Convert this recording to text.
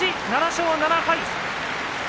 ７勝７敗。